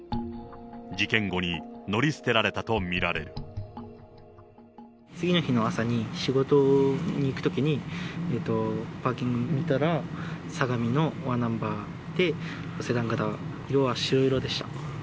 事件後に乗り捨てられたと見られ次の日の朝に、仕事に行くときに、パーキング見たら、相模のわナンバーでセダン型、色は白色でした。